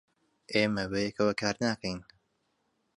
ئێمە بەیەکەوە کار ناکەین.